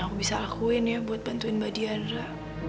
aku ingin ya buat bantuin mbak diara